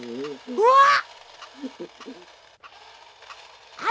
うわっ！